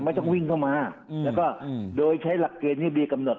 ต้องวิ่งเข้ามาแล้วก็โดยใช้หลักเกณฑ์ที่ดีกำหนด